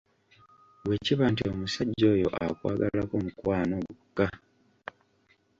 Bwe kiba nti omusajja oyo akwagalako "mukwano" gwokka,